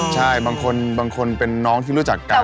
ใช่บางคนบางคนเป็นน้องที่รู้จักกัน